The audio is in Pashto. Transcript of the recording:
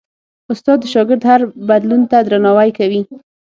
استاد د شاګرد هر بدلون ته درناوی کوي.